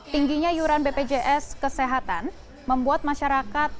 tingginya iuran bpjs kesehatan membuat masyarakat